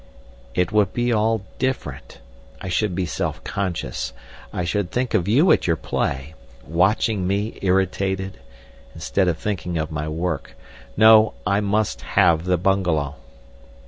"It would be all different. I should be self conscious. I should think of you at your play—watching me irritated—instead of thinking of my work. No! I must have the bungalow."